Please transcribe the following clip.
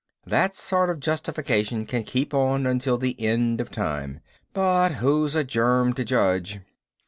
That sort of justification can keep on until the end of time. But who's a germ to judge?